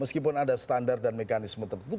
meskipun ada standar dan mekanisme tertentu